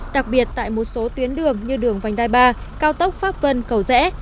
đặc biệt tại một số tuyến đường như đường vành đai ba cao tốc pháp vân cầu rẽ